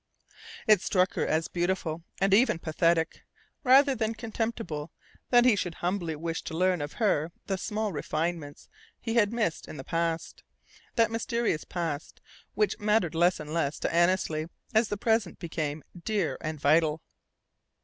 It struck her as beautiful and even pathetic, rather than contemptible, that he should humbly wish to learn of her the small refinements he had missed in the past that mysterious past which mattered less and less to Annesley as the present became dear and vital.